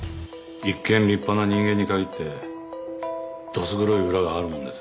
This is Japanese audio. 一見立派な人間にかぎってどす黒い裏があるもんです。